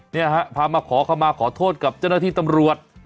นี่พามาขอขมาขอโทษกับเจ้าหน้าที่ตัำรวจ